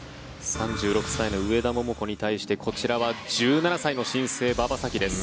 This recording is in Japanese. ３６歳の上田桃子に対してこちらは１７歳の新星、馬場咲希です。